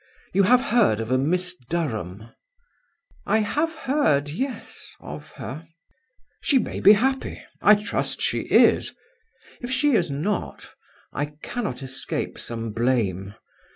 You have heard of a Miss Durham?" "I have heard yes of her." "She may be happy. I trust she is. If she is not, I cannot escape some blame.